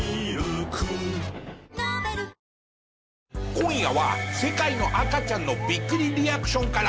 今夜は世界の赤ちゃんのびっくりリアクションから。